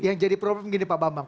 yang jadi problem gini pak bambang